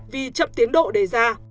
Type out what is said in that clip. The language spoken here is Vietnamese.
vì chậm tiến độ đề ra